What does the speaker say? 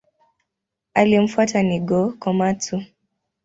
Aliyemfuata ni Go-Komatsu.